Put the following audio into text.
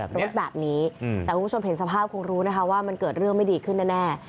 รถแบบนี้แต่คุณผู้ชมเห็นสภาพคงรู้นะคะว่ามันเกิดเรื่องไม่ดีขึ้นแน่